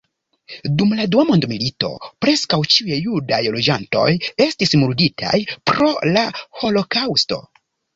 Dum la dua mondmilito preskaŭ ĉiuj judaj loĝantoj estis murditaj pro la holokaŭsto.